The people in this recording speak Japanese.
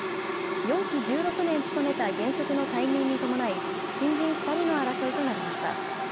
４期１６年務めた現職の退任に伴い、新人２人の争いとなりました。